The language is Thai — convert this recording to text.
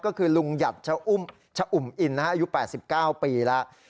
ก็คือลุงหยัดชะอุ่มอินอายุ๘๙ปีแล้ว